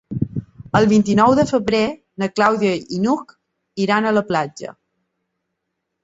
El vint-i-nou de febrer na Clàudia i n'Hug iran a la platja.